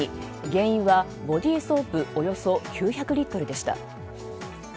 原因は、ボディーソープおよそ９００リットルでした。